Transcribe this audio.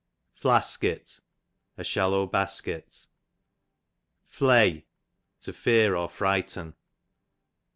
Flasket, a shallow basket. Flay, to fear, to frighten.